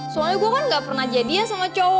soalnya gue kan ga pernah jadian sama cowo